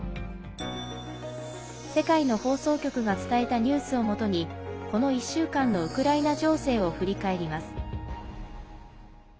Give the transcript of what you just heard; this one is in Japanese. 世界の放送局が伝えたニュースをもとにこの１週間のウクライナ情勢を振り返ります。